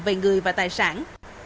về người và tài sản